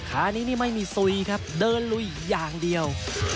ขานี้นี่ไม่มีซุยครับเดินลุยอย่างเดียว